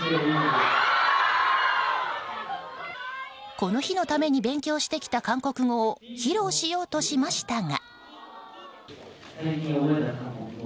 この日のために勉強してきた韓国語を披露しようとしましたが。